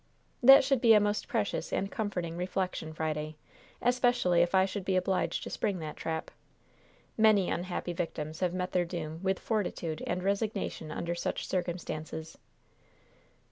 "That should be a most precious and comforting reflection, Friday, especially if I should be obliged to spring that trap. Many unhappy victims have met their doom with fortitude and resignation under such circumstances."